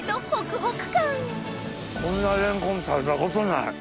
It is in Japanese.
こんなレンコン食べたことない。